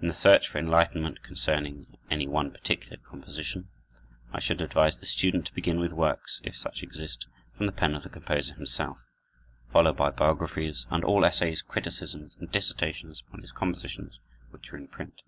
In the search for enlightenment concerning any one particular composition, I should advise the student to begin with works, if such exist, from the pen of the composer himself, followed by biographies and all essays, criticisms, and dissertations upon his compositions which are in print.